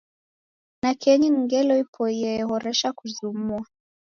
Nakenyi ni ngelo ipoie ye horesha kuzumua